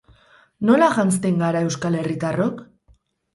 Nola janzten gara euskal herritarrok?